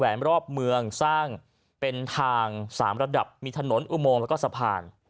รอบเมืองสร้างเป็นทางสามระดับมีถนนอุโมงแล้วก็สะพาน